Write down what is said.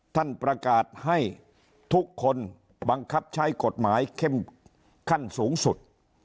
ท่านประกาศให้ทุกคนบังคับใช้กฎหมายเข้มขั้นสูงสุด